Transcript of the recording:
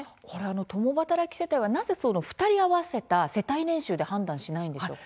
共働き世帯は、なぜ２人合わせた世帯年収で判断しないんでしょうか。